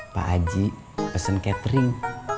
pak aji pesen catering